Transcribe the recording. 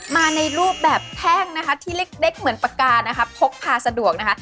มาในรูปแบบแท่งที่เล็กเหมือนปากกาพกพาสะดวก